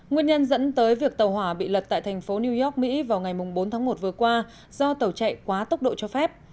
nguyên nhân dẫn tới việc tàu hỏa bị lật tại thành phố new york mỹ vào ngày bốn tháng một vừa qua do tàu chạy quá tốc độ cho phép